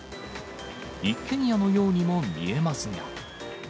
一軒家のようにも見えますが。